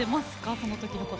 そのときのこと。